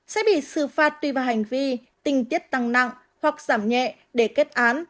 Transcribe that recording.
sẽ bị xử phạt tùy vào hành vi tình tiết tăng nặng hoặc giảm nhẹ để kết án